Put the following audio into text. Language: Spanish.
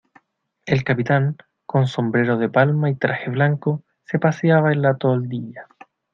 el capitán, con sombrero de palma y traje blanco , se paseaba en la toldilla: